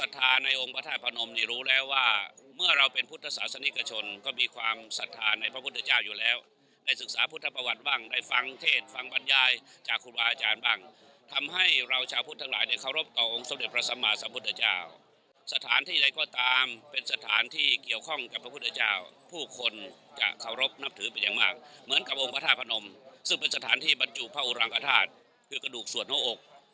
ที่บรรจุพระอุรังคธาตุคือกระดูกสวนหน้าอก